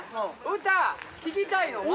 歌聴きたいの前に。